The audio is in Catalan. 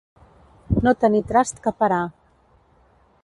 No tenir trast que parar.